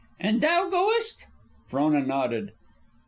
"And thou goest?" Frona nodded.